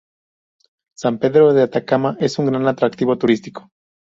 San Pedro de Atacama es un gran atractivo turístico.